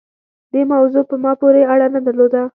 دې موضوع په ما پورې اړه نه درلوده.